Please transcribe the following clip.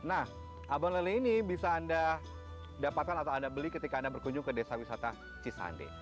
nah abang lele ini bisa anda dapatkan atau anda beli ketika anda berkunjung ke desa wisata cisande